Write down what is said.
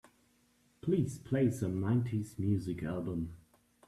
Please play some nineties music album.